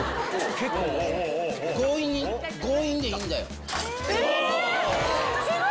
結構強引に、強引でいいんだえー！